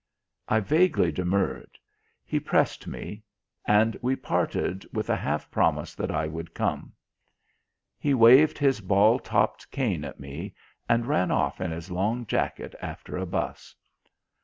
I vaguely demurred. He pressed me. And we parted with a half promise that I would come. He waved his ball topped cane at me and ran off in his long jacket after a 'bus.